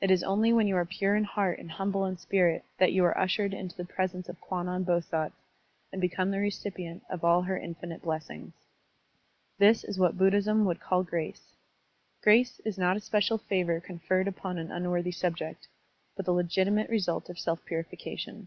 It is only when you are pure in heart and himible in spirit that you are ushered into the presence of Kwannon Bosatz and become the recipient of all her infinite blessings. This is what Buddhism would call grace. Grace is not a special favor conferred upon an unworthy subject, but the legitimate result of self purification.